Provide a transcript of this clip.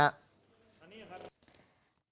นะนี้ครับ